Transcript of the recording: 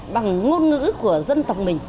bằng ngôn ngữ của dân tộc mình